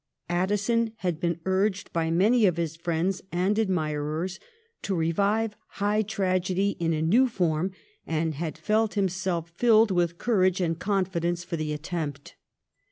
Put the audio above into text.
Addi son had been urged by many of his friends and admirers to revive high tragedy in a new form, and had felt himself filled with courage and confidence for the attempt.